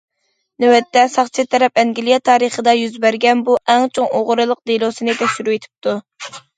نۆۋەتتە، ساقچى تەرەپ ئەنگلىيە تارىخىدا يۈز بەرگەن بۇ ئەڭ چوڭ ئوغرىلىق دېلوسىنى تەكشۈرۈۋېتىپتۇ.